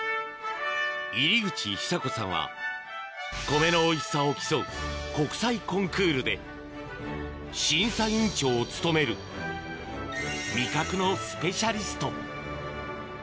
米のおいしさを競う国際コンクールで審査委員長を務める味覚のスペシャリスト